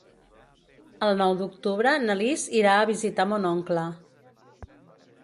El nou d'octubre na Lis irà a visitar mon oncle.